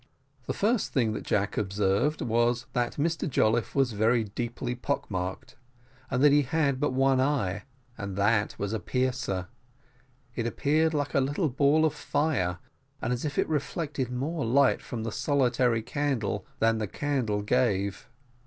The first thing that Jack observed was, that Mr Jolliffe was very deeply pockmarked, and that he had but one eye, and that was a piercer; it appeared like a little ball of fire, and as if it reflected more light from the solitary candle than the candle gave.